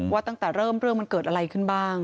ตั้งแต่เริ่มเรื่องมันเกิดอะไรขึ้นบ้าง